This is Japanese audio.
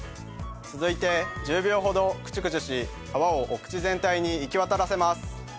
続いて１０秒ほどクチュクチュし泡をお口全体に行きわたらせます。